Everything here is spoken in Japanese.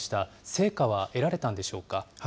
成果は得られたんでしょうか。